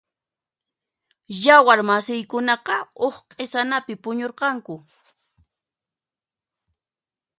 Yawar masiykunaqa huk q'isanapi puñurqanku.